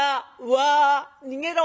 わあ逃げろ。